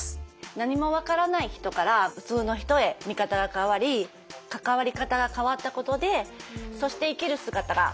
何も分からない人から普通の人へ見方が変わり関わり方が変わったことでそして生きる姿が変わった。